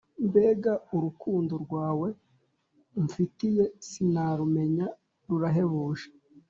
Mbega urukundo rwawe um fitiye sinarumenya rurahebuje